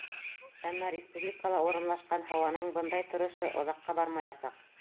Әммә республикала урынлашҡан һауаның бындай торошо оҙаҡҡа бармаясаҡ.